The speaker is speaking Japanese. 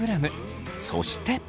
そして。